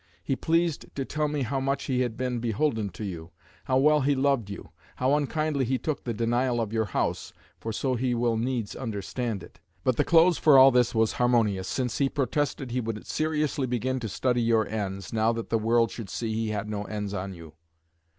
He pleased to tell me how much he had been beholden to you, how well he loved you, how unkindly he took the denial of your house (for so he will needs understand it); but the close for all this was harmonious, since he protested he would seriously begin to study your ends, now that the world should see he had no ends on you.